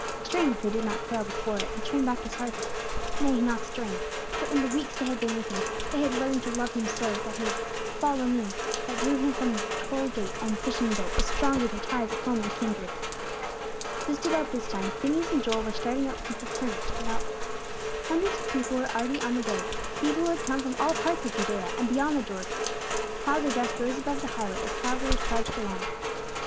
Strange they did not quail before it, and turn back disheartened. Nay, not strange! For in the weeks they had been with Him, they had learned to love Him so, that His "follow me," that drew them from the toll gate and fishing boat, was stronger than ties of home and kindred. Just about this time, Phineas and Joel were starting out from Capernaum to the mountain. Hundreds of people were already on the way; people who had come from all parts of Judea, and beyond the Jordan. Clouds of dust rose above the highway as the travellers trudged along.